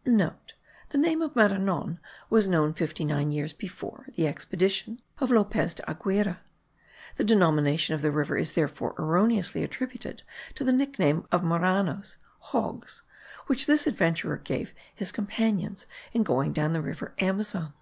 (* The name of Maranon was known fifty nine years before the expedition of Lopez de Aguirre; the denomination of the river is therefore erroneously attributed to the nickname of maranos (hogs), which this adventurer gave his companions in going down the river Amazon.